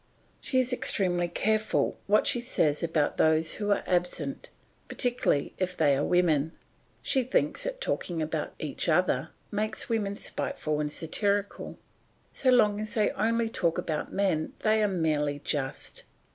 She is extremely careful what she says about those who are absent, particularly if they are women. She thinks that talking about each other makes women spiteful and satirical; so long as they only talk about men they are merely just.